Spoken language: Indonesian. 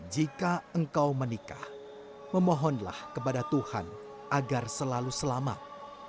jika engkau menikah memohonlah kepada tuhan agar selalu selamat